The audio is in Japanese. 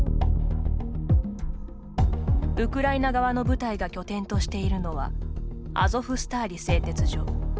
ウクライナ側の部隊が拠点としているのはアゾフスターリ製鉄所。